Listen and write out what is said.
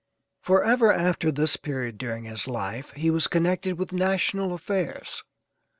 Forever after this period, during his life, he was connected with national affairs.